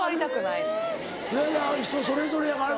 いやいや人それぞれやからな。